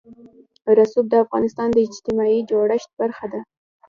رسوب د افغانستان د اجتماعي جوړښت برخه ده.